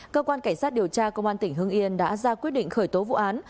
cơ quan cảnh sát điều tra công an tỉnh hưng yên đã ra quyết định khởi tố vụ án